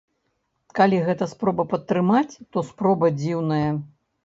Калі гэта спроба падтрымаць, то спроба дзіўная.